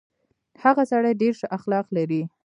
هغه سړی ډېر شه اخلاق لري.